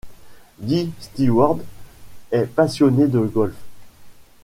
Di Stewart est passionnée de golf.